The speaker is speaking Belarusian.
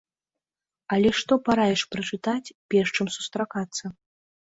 Але што параіш прачытаць перш, чым сустракацца?